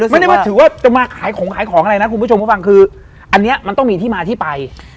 ไม่ได้ว่าถือว่าจะมาขายของขายของอะไรนะคุณผู้ชมผู้ฟังคืออันนี้มันต้องมีที่มาที่ไป